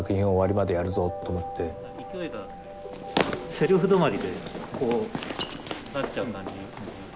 せりふ止まりでこうなっちゃう感じ。